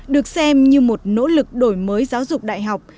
được xem như một nỗ lực đổi mới giáo dục đại học